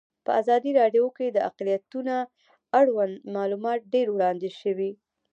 په ازادي راډیو کې د اقلیتونه اړوند معلومات ډېر وړاندې شوي.